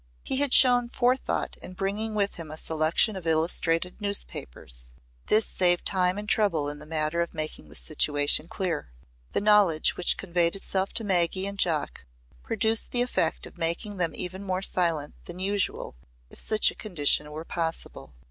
He had shown forethought in bringing with him a selection of illustrated newspapers. This saved time and trouble in the matter of making the situation clear. The knowledge which conveyed itself to Maggy and Jock produced the effect of making them even more silent than usual if such a condition were possible.